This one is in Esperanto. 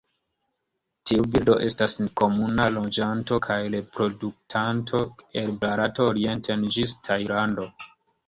Tiu birdo estas komuna loĝanto kaj reproduktanto el Barato orienten ĝis Tajlando.